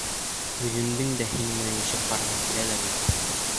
Үҙемдең дә һинең менән йәшәп ҡарағым килә лә бит.